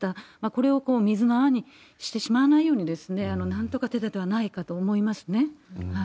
これを水の泡にしてしまわないように、なんとか手立てはないかと思いますね。